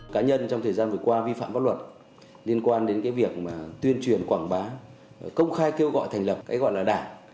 cả nhân trong thời gian vừa qua vi phạm pháp luật liên quan đến việc tuyên truyền quảng bá công khai kêu gọi thành lập cái gọi là đảng